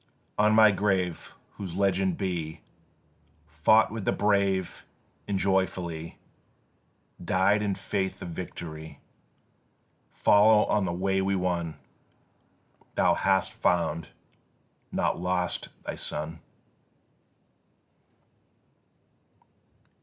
On my grave, whose legend be Fought with the brave and joyfully Died in faith of victory. Follow on the way we won! Thou hast found, not lost thy son."